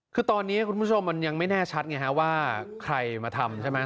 คือตอนนี้คุณผู้ชมมันยังไม่แน่ชัดไงฮะว่าใครมาทำใช่ไหม